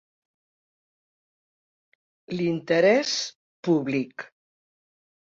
L'interès públic.